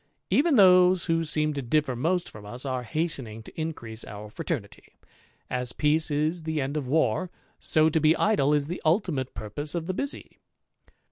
Even ^^ose who seem to differ most from us are hastening to increase our fraternity ; as peace is the end of war, so to be ^^e is the ultimate purpose of the busy.